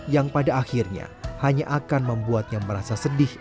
yang pada akhirnya hanya akan membuatnya merasa sedih